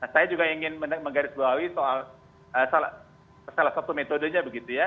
saya juga ingin menggarisbawahi soal salah satu metodenya